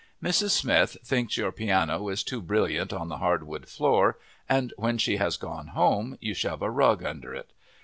Mrs. Smith thinks your piano is too brilliant on the hardwood floor, and when she has gone home you shove a rug under it.